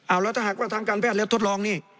แล้วถ้าหากว่าทางการแพทย์แล้วทดลองนี่